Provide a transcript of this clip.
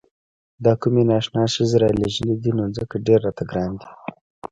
دا کومې نا اشنا ښځې رالېږلي دي نو ځکه ډېر راته ګران دي.